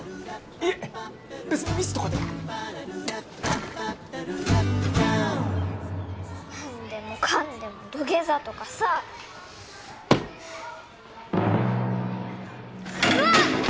いえ別にミスとかでは何でもかんでも土下座とかさあうわっ！